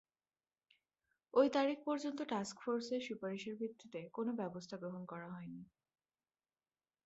ওই তারিখ পর্যন্ত টাস্ক ফোর্সের সুপারিশের ভিত্তিতে কোনো ব্যবস্থা গ্রহণ করা হয় নি।